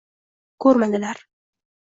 Ko’rmadilar